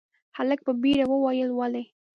هلک په بيړه وويل، ولې؟